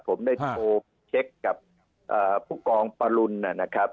ผมได้โทรเช็คกับผู้กองปลุนนะครับ